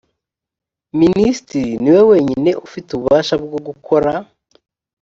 minisitiri ni we wenyine ufite ububasha bwo gukora